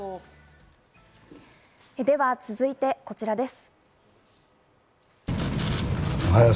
では続いて、こちらです。